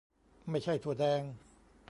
ไม่ใช่ถั่วแดง